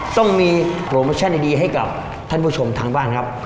ต้องมีโปรโมชั่นดีให้กับท่านผู้ชมทางบ้านครับ